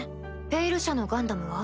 「ペイル社」のガンダムは？